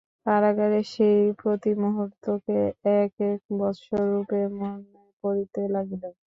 কারাগারের সেই প্রতিমুহূর্তকে এক-এক বৎসর রূপে মনে পড়িতে লাগিল।